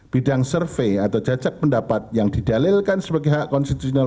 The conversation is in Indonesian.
bidang survei atau jajak pendapat yang didalilkan sebagai hak konstitusional